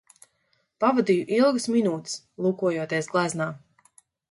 Pavadīju ilgas minūtes, lūkojoties gleznā.